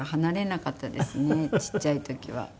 ちっちゃい時は。